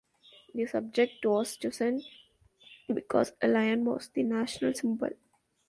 The subject was chosen because a lion was the national symbol.